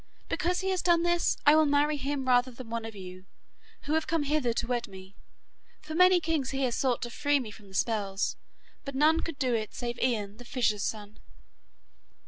Because he has done this, I will marry him rather than one of you, who have come hither to wed me, for many kings here sought to free me from the spells, but none could do it save Ian the fisher's son.